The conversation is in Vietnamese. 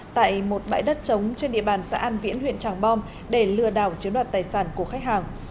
tại một bãi đất trống trên địa bàn xã an viễn huyện tràng bom để lừa đảo chiếm đoạt tài sản của khách hàng